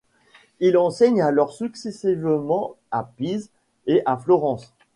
Il enseigne alors successivement à Pise et à Florence.